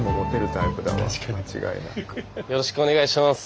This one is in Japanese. よろしくお願いします。